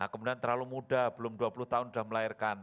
kemudian terlalu muda belum dua puluh tahun sudah melahirkan